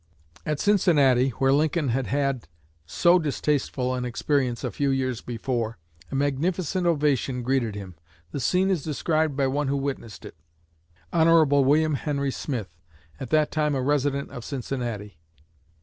At Cincinnati, where Lincoln had had so distasteful an experience a few years before, a magnificent ovation greeted him. The scene is described by one who witnessed it Hon. William Henry Smith, at that time a resident of Cincinnati.